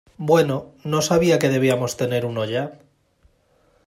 Bueno, no sabia que debíamos tener uno ya.